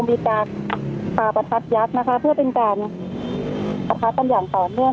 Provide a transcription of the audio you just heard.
มีการฝาประทัดยัดนะคะเพื่อเป็นการประทัดประหลาดต่อเนื่อง